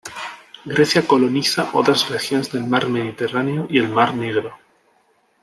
Grecia coloniza otras regiones del mar Mediterráneo y el mar Negro.